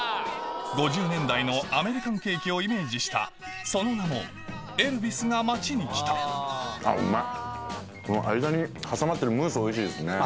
５０年代のアメリカンケーキをイメージしたその名も間に挟まってるムースおいしいですね。